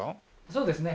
そうですね。